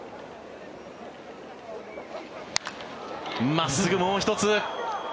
真っすぐ、もう１つ。